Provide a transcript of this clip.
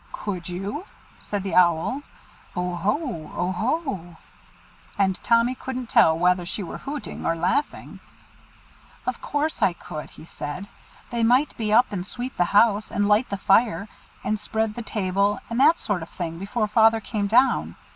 "Could you?" said the Owl. "Oohoo! oohoo!" and Tommy couldn't tell whether she were hooting or laughing. "Of course I could," he said. "They might be up and sweep the house, and light the fire, and spread the table, and that sort of thing, before Father came down.